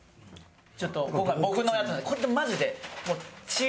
ちょっと今回僕のやつなんでこれでマジで。